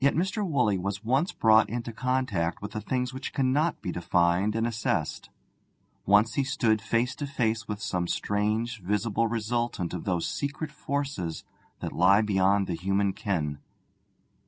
Yet Mr. Woolley was once brought into contact with the things which cannot be defined and assessed; once he stood face to face with some strange visible resultant of those secret forces that lie beyond the human ken.